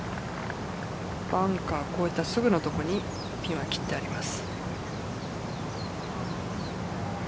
バンカー越えたすぐの所にピンを切ってあります。